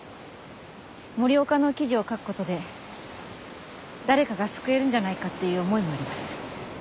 森岡の記事を書くことで誰かが救えるんじゃないかっていう思いもあります。